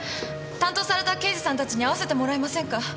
担当された刑事さんたちに会わせてもらえませんか？